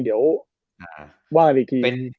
เดี๋ยวว่ากันอีกที